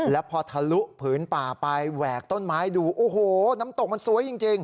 แล้วพอทะลุผืนป่าไปแหวกต้นไม้ดูโอ้โหน้ำตกมันสวยจริง